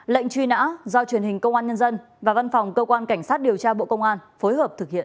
lệnh truy nã do truyền hình công an nhân dân và văn phòng cơ quan cảnh sát điều tra bộ công an phối hợp thực hiện